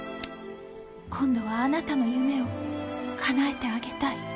今度はあなたの夢をかなえてあげたい。